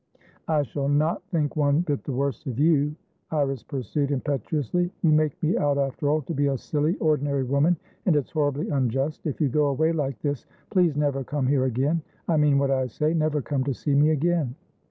"I shall not think one bit the worse of you," Iris pursued, impetuously. "You make me out, after all, to be a silly, ordinary woman, and it's horribly unjust. If you go away like this, please never come here again. I mean what I say. Never come to see me again!"